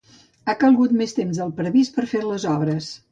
Ha calgut més temps del previst per fer les obres.